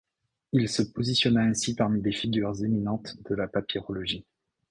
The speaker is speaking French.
Il se positionna ainsi parmi les figures éminentes de la papyrologie.